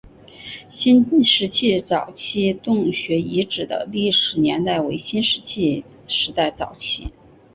新石器早期洞穴遗址的历史年代为新石器时代早期。